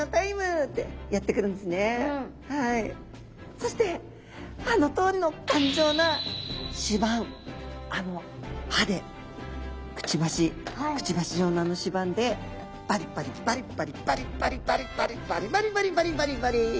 そしてあのとおりの頑丈な歯板あの歯でくちばしくちばし状のあの歯板でバリバリバリバリバリバリバリバリバリバリバリバリバリバリ！